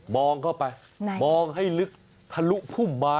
เข้าไปมองให้ลึกทะลุพุ่มมา